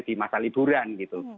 di masa liburan gitu